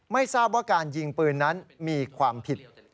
ไม่ทราบว่าการยิงปืนนั้นมีความผิด